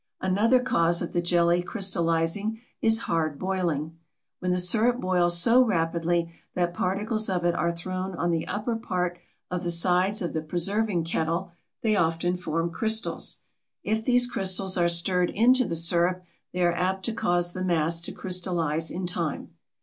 Another cause of the jelly crystallizing is hard boiling. When the sirup boils so rapidly that particles of it are thrown on the upper part of the sides of the preserving kettle they often form crystals. If these crystals are stirred into the sirup they are apt to cause the mass to crystallize in time.